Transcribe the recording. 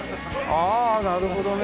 ああなるほどね。